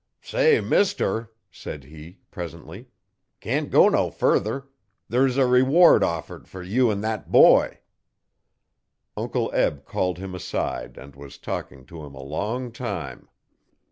'Say, mister,' said he presently, 'can't go no further. There's a reward offered fer you an' thet boy.' Uncle Eb called him aside and was talking to him a long time.